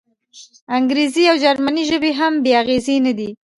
انګریزي او جرمني ژبې هم بې اغېزې نه دي.